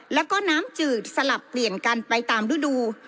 แล้วก็น้ำจืดสลับเปลี่ยนกันไปตามฤดู